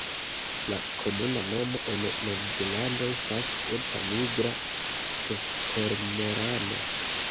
La komuna nomo en Novzelando estas "Eta nigra tufkormorano".